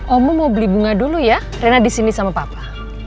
oma mau beli bunga dulu ya rena disini sama papa